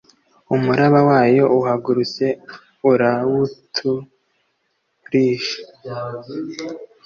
Umuraba wayo uhagurutse urawut risha